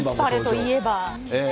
ヒッパレといえば。